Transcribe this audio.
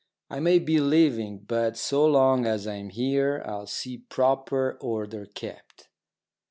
I may be leaving, but so long as I am here I'll see proper order kept.